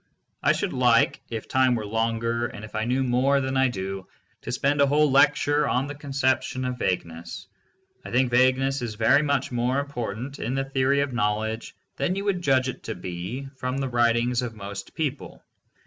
I should like, if time were longer and if I knew more than I do, to spend a whole lecture on the conception of vague ness. I think vagueness is very much more important in the theory of knowledge than you would judge it to be from the writings of most people.